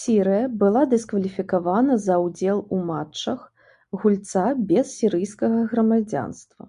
Сірыя была дыскваліфікавана за ўдзел у матчах гульца без сірыйскага грамадзянства.